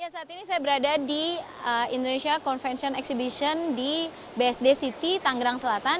saat ini saya berada di indonesia convention exhibition di bsd city tanggerang selatan